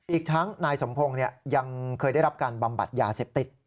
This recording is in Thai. อีกทั้งนายสมพงศ์ยังเคยได้รับการบำบัดยาเสพติด